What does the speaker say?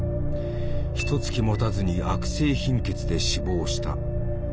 ひとつきもたずに悪性貧血で死亡した。